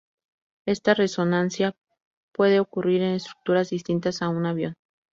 Esta resonancia puede ocurrir en estructuras distintas a un avión.